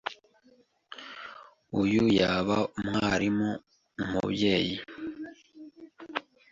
Uyu yaba umwarimu, umubyeyi,